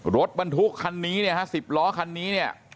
รถบรรทุกคันนี้เนี่ยฮะ๑๐ล้อคันนี้เนี่ย